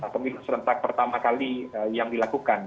pemilu serentak pertama kali yang dilakukan